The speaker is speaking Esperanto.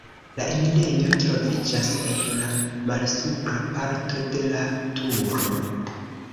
La enirejo troviĝas en la malsupra parto de la turo.